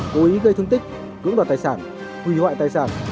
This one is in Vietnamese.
cố ý gây thương tích cưỡng đoạt tài sản hủy hoại tài sản